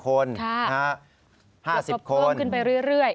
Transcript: ๕ศพเพิ่มขึ้นไปเรื่อย